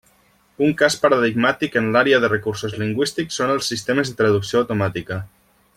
Un cas paradigmàtic en l'àrea de recursos lingüístics són els sistemes de traducció automàtica.